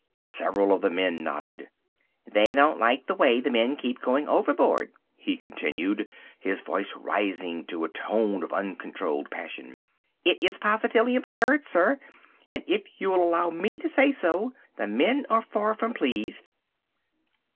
Several of the men nodded. "They don't like the way the men keep going overboard," he continued, his voice rising to a tone of uncontrolled passion. "It is positively absurd, sir, and if you will allow me to say so, the men are far from pleased."